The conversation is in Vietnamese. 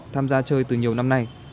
tham gia chơi từ nhiều năm nay